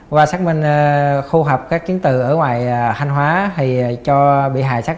qua xác minh khu học các kiến từ ở ngoài khanh hóa thì cho bị hại xác minh